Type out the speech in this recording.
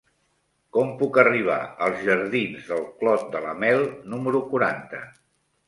Com puc arribar als jardins del Clot de la Mel número quaranta?